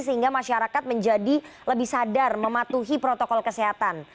sehingga masyarakat menjadi lebih sadar mematuhi protokol kesehatan